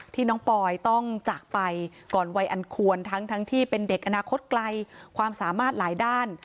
น้องปอยต้องจากไปก่อนวัยอันควรทั้งที่เป็นเด็กอนาคตไกลความสามารถหลายด้าน